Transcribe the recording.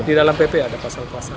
di dalam pp ada pasal pasal